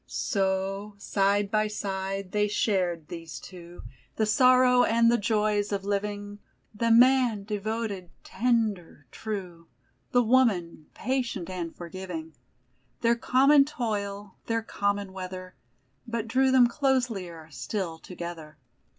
So, side by side, they shared, these two, The sorrow and the joys of living; The Man, devoted, tender, true, The Woman, patient and forgiving; Their common toil, their common weather, But drew them closelier still together.